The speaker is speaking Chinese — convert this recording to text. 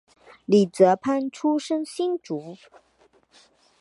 李泽藩出生新竹